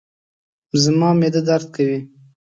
زما معده درد کوي